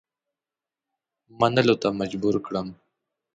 منلو ته مجبور کړم.